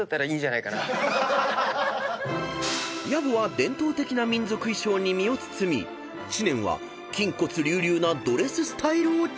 ［薮は伝統的な民族衣装に身を包み知念は筋骨隆々なドレススタイルをチョイス］